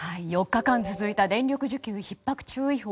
４日間続いた電力需給ひっ迫注意報。